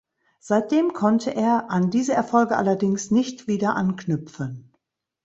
Seitdem konnte er an diese Erfolge allerdings nicht wieder anknüpfen.